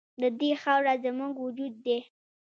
د دې خاوره زموږ وجود دی؟